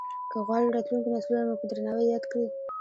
که غواړې راتلونکي نسلونه مو په درناوي ياد کړي.